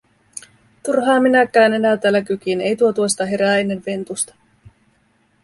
Turhaa minäkään enää täällä kykin, ei tuo tuosta herää ennen Ventusta.